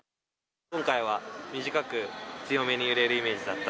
今回は短く強めに揺れるイメージだった。